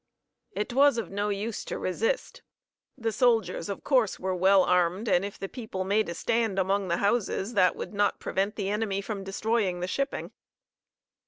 It was of no use to resist. The soldiers, of course, were well armed, and if the people made a stand among the houses, that would not prevent the enemy from destroying the shipping.